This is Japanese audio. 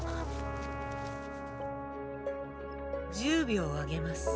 １０秒あげます。